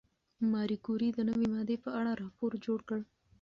ماري کوري د نوې ماده په اړه راپور جوړ کړ.